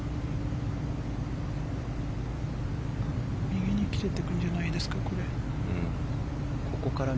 右に切れていくんじゃないですか。